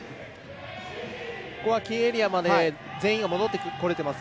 キーエリアまで全員が戻ってこれています。